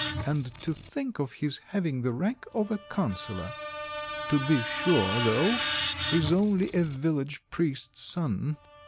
And to think of his having the rank of a councillor! To be sure, though, he's only a village priest's son."